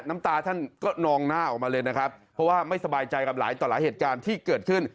น้ำตาท่านก็นองหน้าออกมาเลยนะครับเพราะว่าไม่สบายใจกับหลายต่อหลายเหตุการณ์ที่เกิดขึ้น